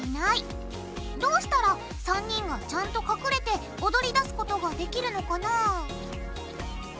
どうしたら３人がちゃんと隠れて踊りだすことができるのかな？